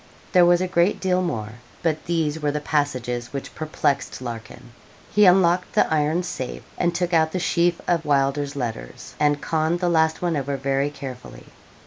There was a great deal more, but these were the passages which perplexed Larkin. He unlocked the iron safe, and took out the sheaf of Wylder's letters, and conned the last one over very carefully.